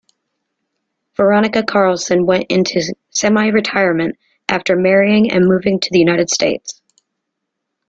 Veronica Carlson went into semi-retirement after marrying and moving to the United States.